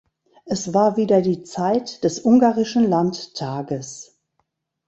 Es war wieder die Zeit des Ungarischen Landtages.